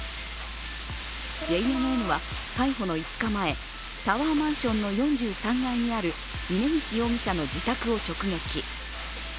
ＪＮＮは逮捕の５日前、タワーマンションの４３階にある峯岸容疑者の自宅を直撃。